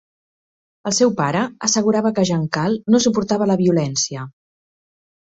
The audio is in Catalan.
El seu pare assegurava que Jan-Carl no suportava la violència.